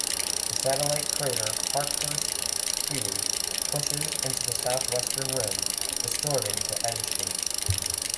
The satellite crater Parkhurst Q pushes into the southwestern rim, distorting the edge shape.